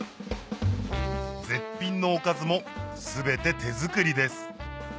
絶品のおかずも全て手作りです